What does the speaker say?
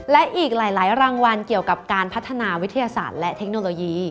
และอีกหลายรางวัลเกี่ยวกับการพัฒนาวิทยาศาสตร์และเทคโนโลยี